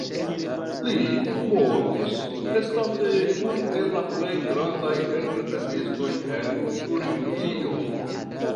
Li mortis estante unu el la plej grandaj entreprenistoj en Turingio.